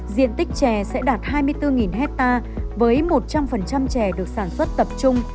diện tích chè sẽ đạt hai mươi bốn hectare với một trăm linh chè được sản xuất tập trung